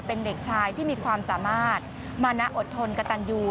เป็นเด็กชายที่มีความสามารถมานะอดทนกระตันยู